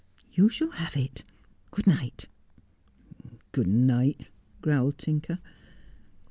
You shall have it. Good night.' ' Good night,' growled Tinker.